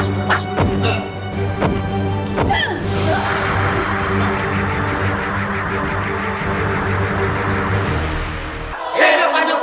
aku tidak merasakan apa apa